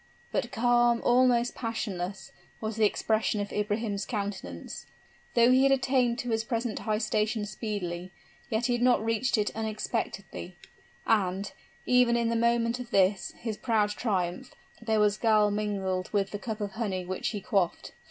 But calm, almost passionless, was the expression of Ibrahim's countenance: though he had attained to his present high station speedily, yet he had not reached it unexpectedly; and, even in the moment of this, his proud triumph, there was gall mingled with the cup of honey which he quaffed.